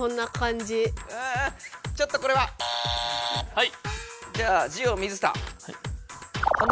はい！